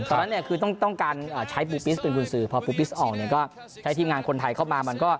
ตอนนั้นคือต้องการใช้ปุปิสเป็นคุณสื่อพอปุปิสออกก็ใช้ทีมงานคนไทยเข้ามา